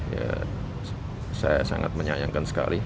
ya saya sangat menyayangkan sekali